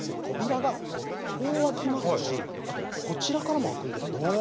扉がこう開きますしあとこちらからも開くんですよ。